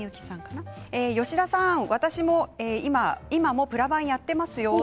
吉田さん、私も今もプラ板やっていますよ。